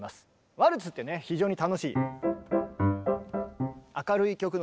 ワルツってね非常に楽しい。